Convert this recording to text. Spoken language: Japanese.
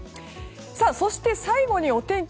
そして最後にお天気